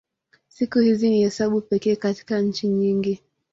Siku hizi ni hesabu pekee katika nchi nyingi.